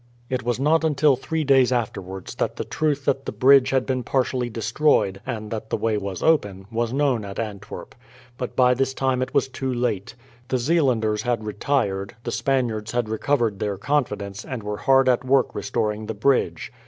It was not until three days afterwards that the truth that the bridge had been partially destroyed, and that the way was open, was known at Antwerp. But by this time it was too late. The Zeelanders had retired; the Spaniards had recovered their confidence, and were hard at work restoring the bridge.